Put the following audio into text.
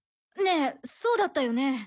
ねえそうだったよね？